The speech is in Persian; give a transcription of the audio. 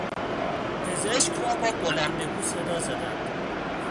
پزشک را با بلندگو صدا زدند.